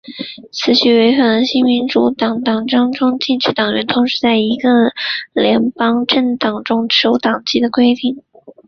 此举违反了新民主党党章中禁止党员同时在另一个联邦政党中持有党籍的规定。